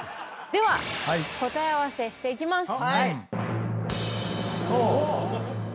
では答え合わせしていきます。